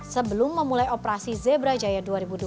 sebelum memulai operasi zebra jaya dua ribu dua puluh